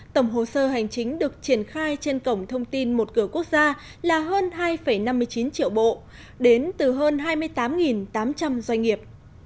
tổng hồ sơ hành chính được triển khai trên cổng thông tin một cửa quốc gia là hơn hai năm mươi chín triệu bộ đến từ hơn hai mươi tám tám trăm linh doanh nghiệp